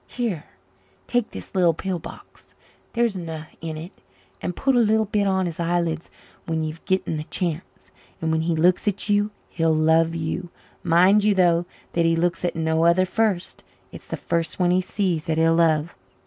Here, take this li'l pill box there's eno' in it and put a li'l bit on his eyelids when you've getten the chance and when he looks at you, he'll love you. Mind you, though, that he looks at no other first it's the first one he sees that he'll love.